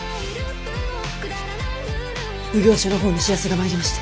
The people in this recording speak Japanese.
奉行所の方に知らせが参りまして。